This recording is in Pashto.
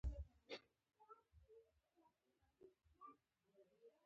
لنډکي برېتونه يې وګرول.